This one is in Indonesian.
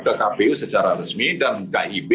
ke kpu secara resmi dan kib